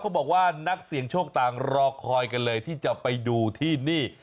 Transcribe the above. บอกว่านักเสี่ยงโชคต่างรอคอยกันเลยที่จะไปดูที่นี่